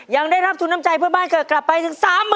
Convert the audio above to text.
ยังได้รับทุนน้ำใจเพื่อบ้านเกิดกลับไปถึง๓๐๐๐